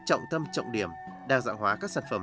trọng tâm trọng điểm đa dạng hóa các sản phẩm